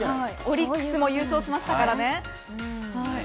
オリックスも優勝しましたからね。